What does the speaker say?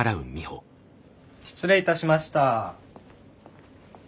失礼いたしました。